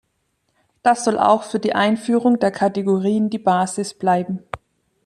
Das soll auch für die Einführung der Kategorien die Basis bleiben.